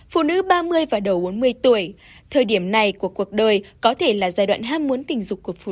phụ nữ ba mươi và đầu bốn mươi tuổi thời điểm này của cuộc đời có thể là giai đoạn ham muốn tình dục của phụ nữ